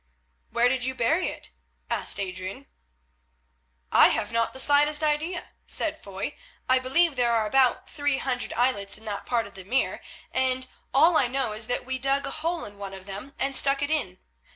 "Where did you bury it?" asked Adrian. "I have not the slightest idea," said Foy. "I believe there are about three hundred islets in that part of the Mere, and all I know is that we dug a hole in one of them and stuck it in.